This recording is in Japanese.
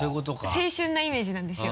青春なイメージなんですよ。